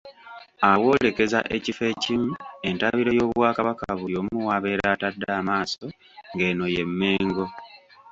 Abwolekereza ekifo ekimu, entabiro y'Obwakabaka buli omu w'abeera atadde amaaso ng'eno ye Mmengo.